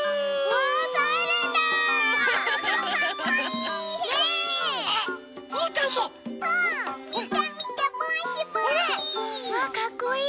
わぁかっこいい！